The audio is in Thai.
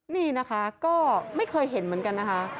นี่นะคะก็ไม่เคยเห็นเหมือนกันนะคะ